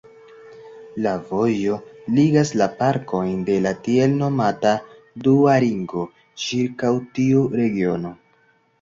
La vojo ligas la parkojn de la tiel nomata "dua ringo" ĉirkaŭ tiu regiono.